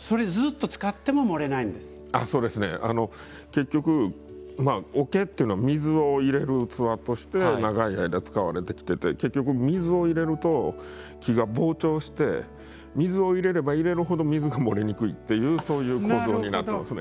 結局桶っていうのは水を入れる器として長い間使われてきてて結局水を入れると木が膨張して水を入れれば入れるほど水が漏れにくいっていうそういう構造になってますね。